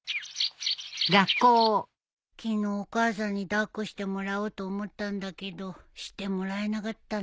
昨日お母さんに抱っこしてもらおうと思ったんだけどしてもらえなかったんだ。